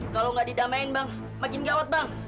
kalau gak didamain bang makin gawat bang